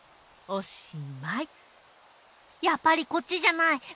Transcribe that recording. おしまいやっぱりこっちじゃない。